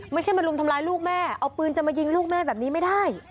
ไม่ใช่มารุมทำร้ายลูกแม่เอาปืนจะมายิงลูกแม่แบบนี้ไม่ได้